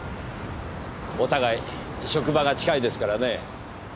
お互い職場が近いですからね。